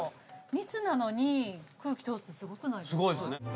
密なのに空気通すってすごくないですか？